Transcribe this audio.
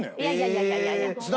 いやいやいやいや。